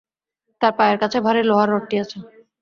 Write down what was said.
তার পায়ের কাছে ভারি লোহার রডটি আছে।